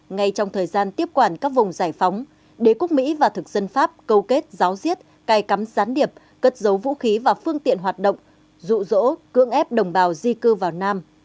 ngay trong thời gian tiếp quản các vùng giải phóng đế quốc mỹ và thực dân pháp câu kết giáo diết cài cắm gián điệp cất giấu vũ khí và phương tiện hoạt động dụ dỗ cưỡng ép đồng bào di cư vào nam